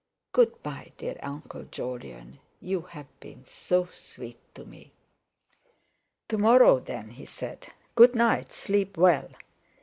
"Good bye, dear Uncle Jolyon, you have been so sweet to me." "To morrow then," he said. "Good night. Sleep well."